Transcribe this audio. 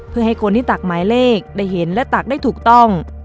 เพื่อให้คนที่ตักหมายเลขได้เห็นและตักได้ถูกต้อง